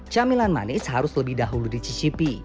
camilan manis harus lebih dahulu dicicipi